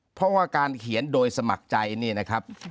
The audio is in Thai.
เพราะว่าการเขียนโดยสมัครใจนี่นะครับ